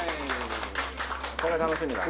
これは楽しみだ。